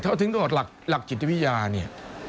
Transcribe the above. ถึงตัวหลักจิตวิญญาเนี่ย